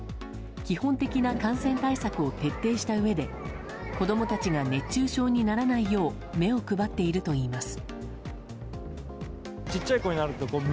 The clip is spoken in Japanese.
基本的な感染対策を徹底したうえで子供たちが熱中症にならないよう目を配っているといいます。